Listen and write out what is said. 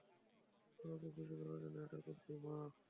বাবাকে খুশি করার জন্য এটা করছি, মা।